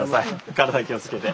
体に気をつけて。